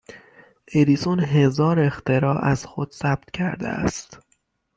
ادیسون هزار اختراع از خود ثبت کرده است